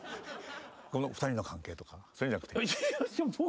この２人の関係とかそういうのじゃなくて？